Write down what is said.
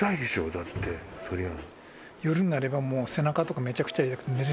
だってそりゃあ。